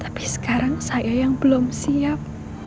tapi sekarang saya yang belum siap